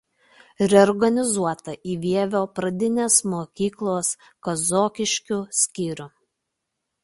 Reorganizuota į Vievio pradinės mokyklos Kazokiškių skyrių.